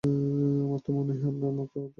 আমার তো মনে আপনার মত দেখতে হয়েছে।